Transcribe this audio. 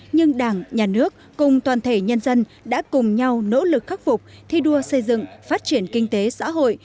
nhưng đảng nhà nước cùng toàn thể nhân dân đã cùng nhau nỗ lực khắc phục thi đua xây dựng phát triển kinh tế xã hội